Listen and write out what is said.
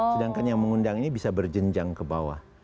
sedangkan yang mengundang ini bisa berjenjang ke bawah